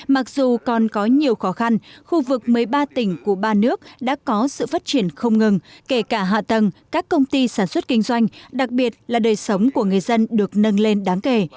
mặc dù còn có nhiều khó khăn khu vực mấy ba tỉnh của ba nước đã có sự phát triển không ngừng kể cả hạ tầng các công ty sản xuất kinh doanh đặc biệt là đời sống của người dân được nâng lên đáng kể